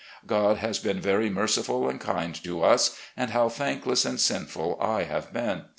God has been very merciful and kind to us, and how thankless and sinful I have been.